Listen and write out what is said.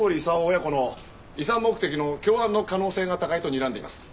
親子の遺産目的の共犯の可能性が高いとにらんでいます。